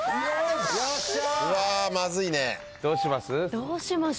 どうします？